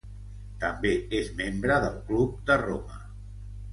També és membre del Club de Roma.